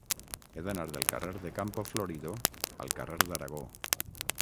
He d'anar del carrer de Campo Florido al carrer d'Aragó.